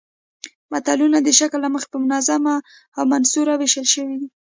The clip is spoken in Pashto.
متلونه د شکل له مخې په منظوم او منثور ویشل کېږي